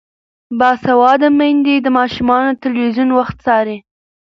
باسواده میندې د ماشومانو د تلویزیون وخت څاري.